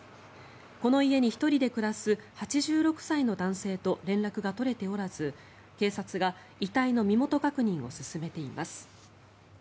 この家に１人で暮らす８６歳の男性と連絡が取れておらず警察が遺体の身元確認を進めています。